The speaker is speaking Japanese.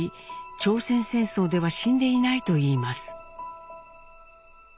朝鮮戦争では死んでいないといいます。